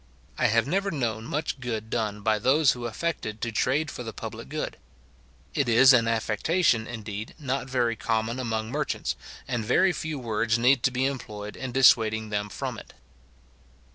I have never known much good done by those who affected to trade for the public good. It is an affectation, indeed, not very common among merchants, and very few words need be employed in dissuading them from it.